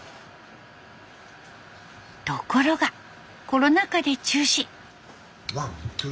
ところがコロナ禍で中止。